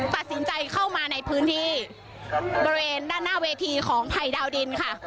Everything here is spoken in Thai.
ตัดสินใจเข้ามาในพื้นที่บริเวณด้านหน้าเวทีของภัยดาวดินค่ะ